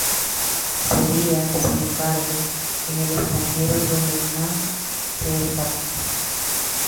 Sería, sin embargo, en el extranjero donde más se destacó.